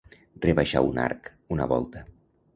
Rebaixar un arc, una volta.